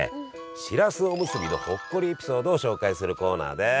しらすおむすびのほっこりエピソードを紹介するコーナーです。